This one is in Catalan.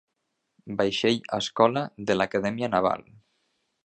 Vaixell escola de l'Acadèmia Naval.